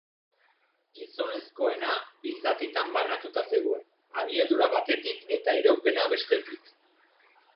Gizonezkoena bi zatitan banatua zegoen, abiadura batetik eta iraupena bestetik.